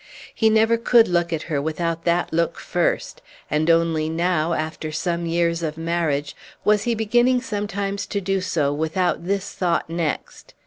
He never could look at her without that look first; and only now, after some years of marriage, was he beginning sometimes to do so without this thought next.